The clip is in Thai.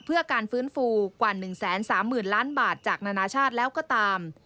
เพื่อการฟื้นฟูกว่า๑๓๐๐๐ล้านบาทจากนานาชาติแล้วก็ตาม